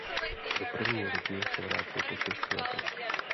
Do první ligy se vrátil po šesti letech.